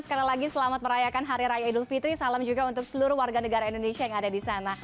sekali lagi selamat merayakan hari raya idul fitri salam juga untuk seluruh warga negara indonesia yang ada di sana